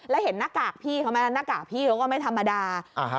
แล้วเห็นหน้ากากพี่เขาไหมหน้ากากพี่เขาก็ไม่ธรรมดา